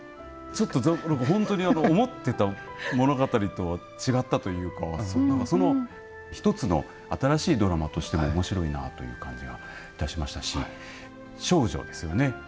本当に思っていた物語と違ったというかその１つの新しいドラマとしても面白いなという感じがいたしましたし少女ですよね